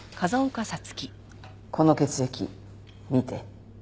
この血液見て。